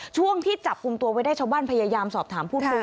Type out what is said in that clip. ช่วงที่จับกลุ่มตัวไว้ได้ชาวบ้านพยายามสอบถามพูดคุย